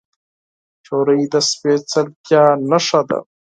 نجلۍ د سپیڅلتیا نښه ده.